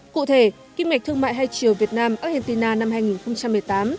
cụ thể kinh mệch thương mại hai triều việt nam argentina năm hai nghìn một mươi tám